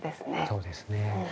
そうですね。